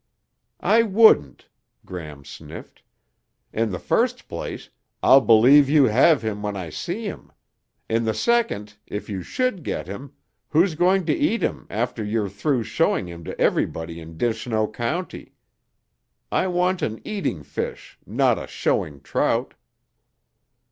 "I wouldn't," Gram sniffed. "In the first place, I'll believe you have him when I see him. In the second, if you should get him, who's going to eat him after you're through showing him to everybody in Dishnoe County? I want an eating fish, not a showing trout."